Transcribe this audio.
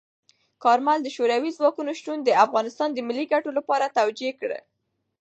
کارمل د شوروي ځواکونو شتون د افغانستان د ملي ګټو لپاره توجیه کړ.